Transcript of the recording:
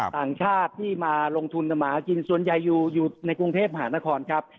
ต่างชาติที่มาลงทุนทำมาหากินส่วนใหญ่อยู่ในกรุงเทพหานครครับ